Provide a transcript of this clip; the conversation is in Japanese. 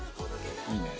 いいね。